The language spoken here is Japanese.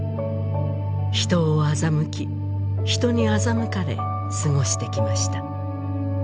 人を欺き人に欺かれすごしてきました